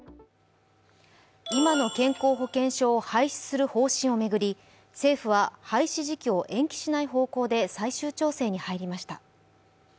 今の健康保険証を廃止する方針をめぐり、政府は廃止時期を延期しない方向で最終調整に入りました。